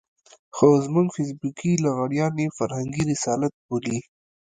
خو زموږ فېسبوکي لغړيان يې فرهنګي رسالت بولي.